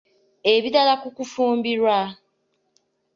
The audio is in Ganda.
Ebirala ku kufumbirwa.